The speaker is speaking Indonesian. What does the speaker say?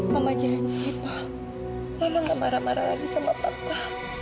mama janji ma mama gak marah marah lagi sama papa